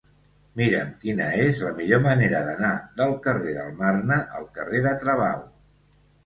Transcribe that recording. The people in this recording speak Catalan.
Mira'm quina és la millor manera d'anar del carrer del Marne al carrer de Travau.